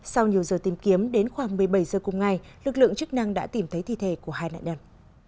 sau nhiều giờ tìm kiếm đến khoảng một mươi bảy h cùng ngày lực lượng chức năng đã tìm thấy thi thể của hai nạn nhân